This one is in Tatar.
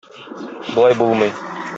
Болай булмый.